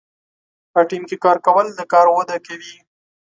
په ټیم کې کار کول د کار وده کوي.